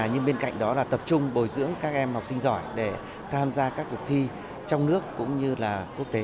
nhưng bên cạnh đó là tập trung bồi dưỡng các em học sinh giỏi để tham gia các cuộc thi trong nước cũng như là quốc tế